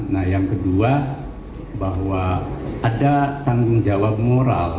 nah yang kedua bahwa ada tanggung jawab moral